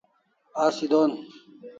Asi don